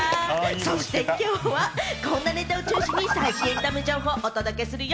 そしてきょうはこんなネタを中心に最新エンタメ情報をお届けするよ！